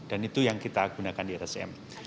dan itu yang kita gunakan di rscm